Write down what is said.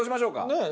ねえ。